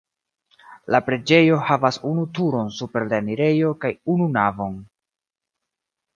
La preĝejo havas unu turon super la enirejo kaj unu navon.